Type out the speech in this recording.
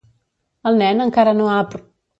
El nen encara no ha apr